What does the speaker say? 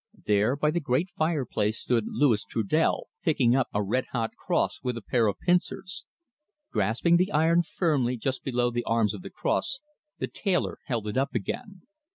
There by the great fireplace stood Louis Trudel picking up a red hot cross with a pair of pincers. Grasping the iron firmly just below the arms of the cross, the tailor held it up again.